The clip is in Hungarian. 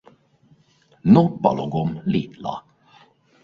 No palogom-li-la?